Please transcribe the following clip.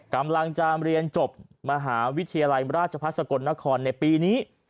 กำลังจะเรียนจบมหาวิทยาลัยราชพัฒนสกลนครในปีนี้